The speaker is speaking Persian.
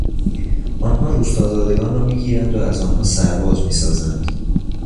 آنها روستازادگان را میگیرند و از آنها سرباز میسازند.